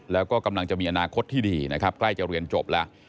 แล้วก็กำลังจะมีอนาคตที่ดีนะครับใกล้จะเรียนจบแล้ว